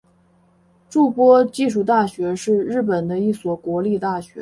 筑波技术大学是日本的一所国立大学。